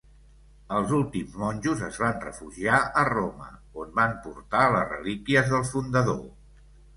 Els últims monjos es van refugiar a Roma, on van portar les relíquies del fundador.